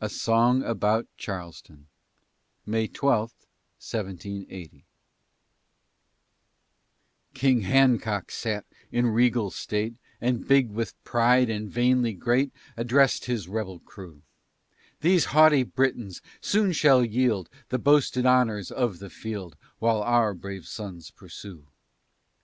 A SONG ABOUT CHARLESTON [May 12, 1780] King Hancock sat in regal state, And big with pride and vainly great, Address'd his rebel crew: "These haughty Britons soon shall yield The boasted honors of the field, While our brave sons pursue.